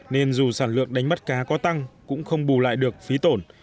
nên dù sản lượng đánh bắt cá có tăng cũng không bù lại được phí tổn